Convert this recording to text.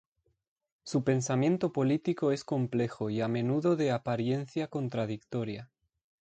Su pensamiento político es complejo y a menudo de apariencia contradictoria.